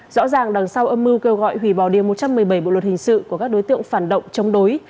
rõ ràng đằng sau âm mưu kêu gọi hủy bỏ điều một trăm một mươi bảy bộ luật hình sự của các đối tượng phản động chống đối